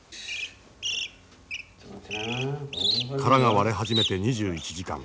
殻が割れ始めて２１時間。